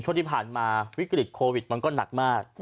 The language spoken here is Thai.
ช่วงที่ผ่านมาวิกฤตโควิดมันก็หนักมาก